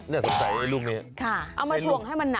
นี่สนใจลูกนี้เอามาถ่วงให้มันหนัก